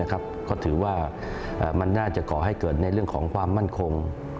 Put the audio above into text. ก็ถือว่ามันน่าจะก่อให้เกิดในเรื่องของความมั่นคง